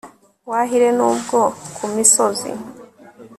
wahire n'ubwo ku misozi